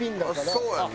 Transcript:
そうやんな。